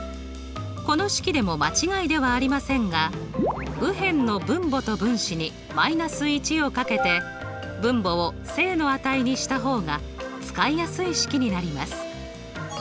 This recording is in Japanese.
この式でも間違いではありませんが右辺の分母と分子に−１を掛けて分母を正の値にした方が使いやすい式になります。